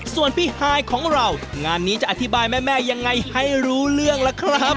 ส่วนพี่ฮายของเรางานนี้จะอธิบายแม่ยังไงให้รู้เรื่องล่ะครับ